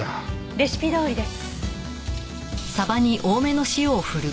レシピどおりです。